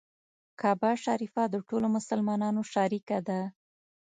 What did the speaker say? کعبه شریفه د ټولو مسلمانانو شریکه ده.